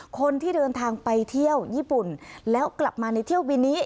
คนที่เดินทางไปเที่ยวญี่ปุ่นแล้วกลับมาในเที่ยวบินนี้